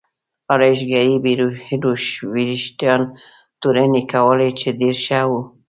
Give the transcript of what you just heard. ارایشګرې یې وریښتان تورنۍ کول چې ډېر ښه و.